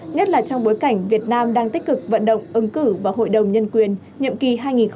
nhất là trong bối cảnh việt nam đang tích cực vận động ứng cử vào hội đồng nhân quyền nhiệm kỳ hai nghìn hai mươi một hai nghìn hai mươi một